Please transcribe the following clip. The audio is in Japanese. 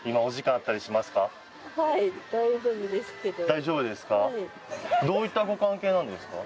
大丈夫ですか？